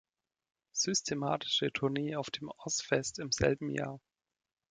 Systematische Tournee auf dem Ozzfest im selben Jahr.